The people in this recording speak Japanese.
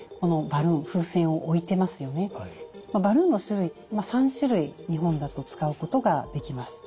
バルーンの種類３種類日本だと使うことができます。